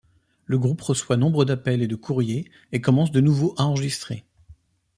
Le groupe reçoit nombre d'appels et de courrier, et commence de nouveau à enregistrer.